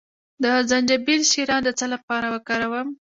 د زنجبیل شیره د څه لپاره وکاروم؟